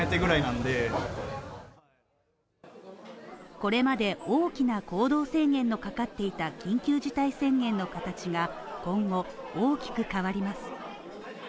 これまで大きな行動制限のかかっていた緊急事態宣言の形が今後大きく変わります。